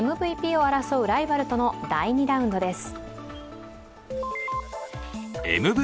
ＭＶＰを争うライバルとの第２ラウンドです。